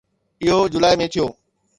اهو جولاء ۾ ٿيو